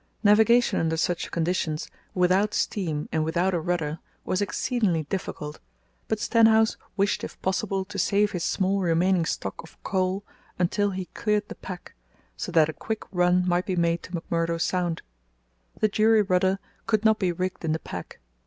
Navigation under such conditions, without steam and without a rudder, was exceedingly difficult, but Stenhouse wished if possible to save his small remaining stock of coal until he cleared the pack, so that a quick run might be made to McMurdo Sound. The jury rudder could not be rigged in the pack.